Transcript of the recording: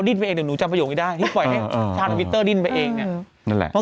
อ่ะคิดไว้ว่าคนเดียวกันอืออานี่มันมัน